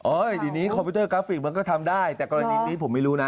เดี๋ยวนี้คอมพิวเตอร์กราฟิกมันก็ทำได้แต่กรณีนี้ผมไม่รู้นะ